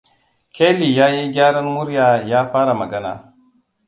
Kelly ya yi gyaran murya ya fara magana.